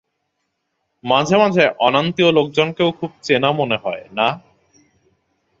মাঝে মাঝে অনান্তীয় লোকজনকেও খুব চেনা মনে হয় না?